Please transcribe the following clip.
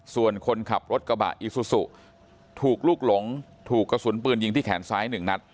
ส่วนคนขับรถกระบะอีซูซูถูกลูกหลงถูกกระสุนปืนยิงที่แขนซ้าย๑นัด